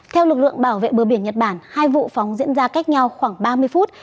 theo lực lượng bảo vệ bờ biển nhật bản hai vụ phóng diễn ra cách nhau khoảng ba mươi phút